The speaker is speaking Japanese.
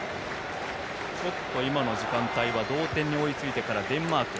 今の時間帯は同点に追いついてからデンマーク。